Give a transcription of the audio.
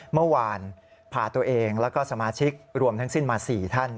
เมื่อวานพาตัวเองแล้วก็สมาชิกรวมทั้งสิ้นมา๔ท่าน